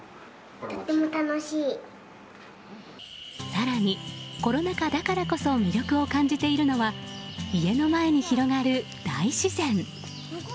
更に、コロナ禍だからこそ魅力を感じているのは家の前に広がる大自然。